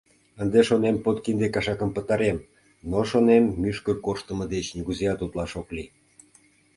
Ынде, шонем, подкинде кашакым пытарем, но, шонем, мӱшкыр корштымо деч нигузеат утлаш ок лий.